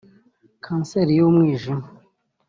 kanseri n’umwijima